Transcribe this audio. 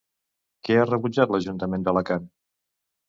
Què ha rebutjat l'Ajuntament d'Alacant?